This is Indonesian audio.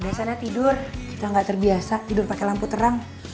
biasanya tidur kita gak terbiasa tidur pake lampu terang